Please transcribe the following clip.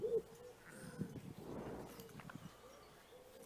Esta especie lleva su nombre en referencia al lugar de su descubrimiento, Perú.